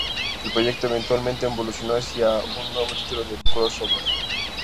El proyecto eventualmente evolucionó hacia un nuevo título de crossover.